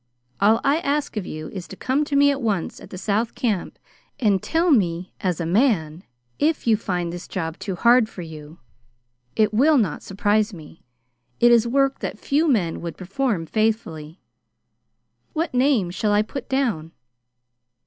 All I ask of you is to come to me at once at the south camp and tell me as a man if you find this job too hard for you. It will not surprise me. It is work that few men would perform faithfully. What name shall I put down?"